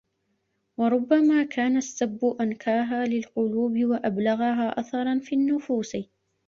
وَرُبَّمَا كَانَ السَّبُّ أَنْكَاهَا لِلْقُلُوبِ وَأَبْلَغَهَا أَثَرًا فِي النُّفُوسِ